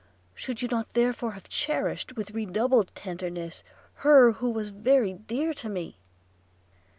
should you not therefore have cherished, with redoubled tenderness, her who was so very dear to me?'